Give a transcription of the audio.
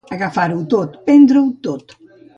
Agafar-ho tot, perdre-ho tot.